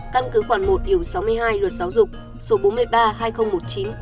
căn cứ khoảng một sáu mươi hai luật giáo dục